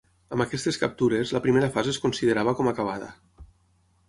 Amb aquestes captures, la primera fase es considerava com acabada.